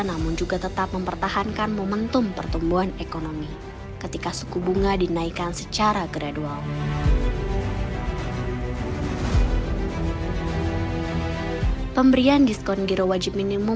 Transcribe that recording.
namun juga tetap mempertahankan momentum pertumbuhan ekonomi